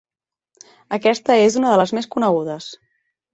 Aquesta és una de les més conegudes.